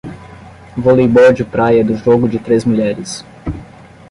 Voleibol de praia do jogo de três mulheres.